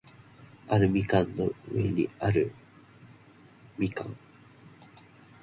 アルミ缶の上にある蜜柑